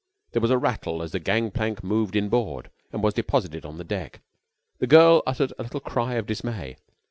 There was a rattle as the gang plank moved inboard and was deposited on the deck. The girl uttered a little cry of dismay.